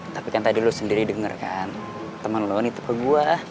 tapi kan tadi lo sendiri denger kan temen lo nitip ke gue